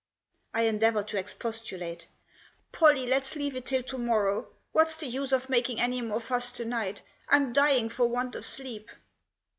I endeavoured to expostulate. "Pollie, let's leave it till to morrow. What's the use of making any more fuss to night. I'm dying for want of sleep."